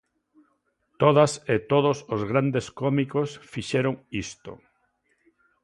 Todas e todos os grandes cómicos fixeron isto.